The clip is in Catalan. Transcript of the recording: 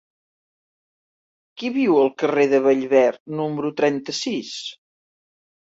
Qui viu al carrer de Bellver número trenta-sis?